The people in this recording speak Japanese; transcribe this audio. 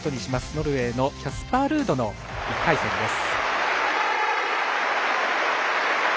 ノルウェーのキャスパー・ルードの１回戦です。